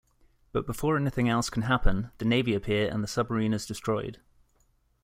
But before anything else can happen, the Navy appear and the submarine is destroyed.